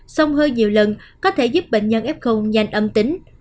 xong hơi nhiều lần có thể giúp bệnh nhân f nhanh âm tính